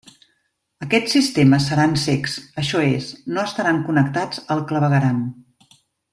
Aquests sistemes seran cecs, això és, no estaran connectats al clavegueram.